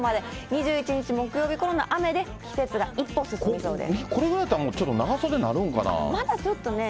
２１日木曜日ごろの雨で季節が一歩進みそうです。